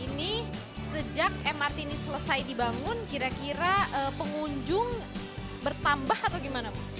ini sejak mrt ini selesai dibangun kira kira pengunjung bertambah atau gimana pak